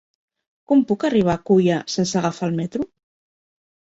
Com puc arribar a Culla sense agafar el metro?